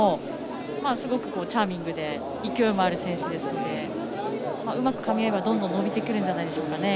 すごくチャーミングで勢いもある選手ですのでうまくかみ合えばどんどん記録も伸びてくるんじゃないんでしょうか。